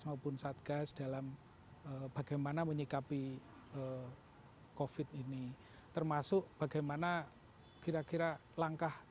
maupun satgas dalam bagaimana menyikapi covid ini termasuk bagaimana kira kira langkah